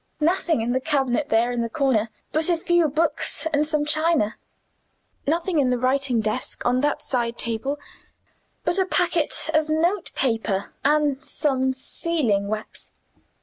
Nothing in the cabinet there, in the corner, but a few books and some china. Nothing in the writing desk, on that side table, but a packet of note paper and some sealing wax.